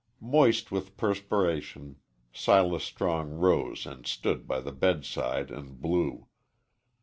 Moist with perspiration, Silas Strong rose and stood by the bedside and blew.